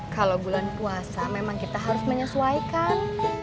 kalau bulan puasa memang kita harus menyesuaikan